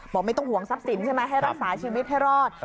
ไม่ต้องห่วงทรัพย์สินใช่ไหมให้รักษาชีวิตให้รอด